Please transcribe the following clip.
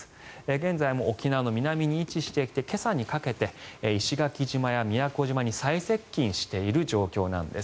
現在も沖縄の南に位置していて今朝にかけて石垣島や宮古島に最接近している状況なんです。